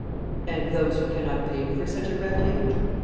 And those who cannot pay for such a refuge?